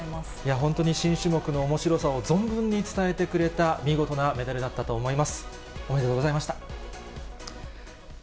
本当に新種目のおもしろさを存分に伝えてくれた、見事なメダルだったと思います。